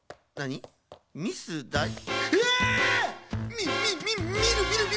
みみみみるみるみる！